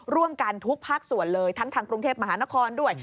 ร่วมกันทุกภาคส่วนเลยทั้งทางกรุงเทพมหานครด้วย